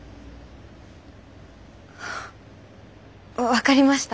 分かりました。